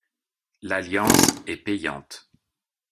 L'alliance est payante.